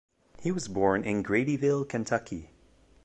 He was born in Gradyville, Kentucky.